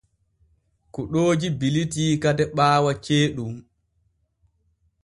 Kuɗooji bilitii kade ɓaawo ceeɗum.